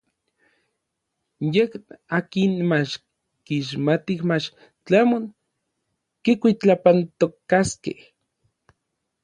Yej n akin mach kixmatij mach tlamon kikuitlapantokaskej.